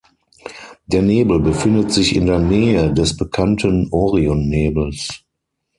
Der Nebel befindet sich in der Nähe des bekannten Orionnebels.